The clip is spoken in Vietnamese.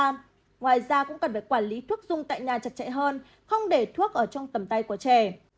ngoài ra cũng cần phải quản lý thuốc dung tại nhà chặt chẽ hơn không để thuốc ở trong tầm tay của trẻ